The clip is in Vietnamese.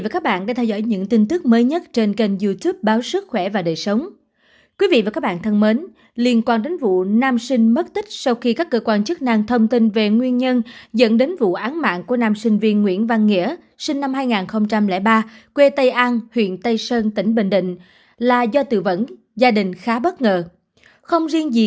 các bạn hãy đăng ký kênh để ủng hộ kênh của chúng mình nhé